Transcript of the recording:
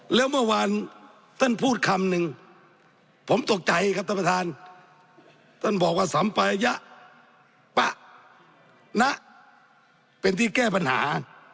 แล้วเมื่อวานท่านพูดคำหนึ่งผมตกใจครับท่านประธานท่านบอกว่าสัมประยะปะณเป็นที่แก้ปัญหา